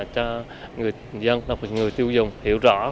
cho người dân và người tiêu dùng hiểu rõ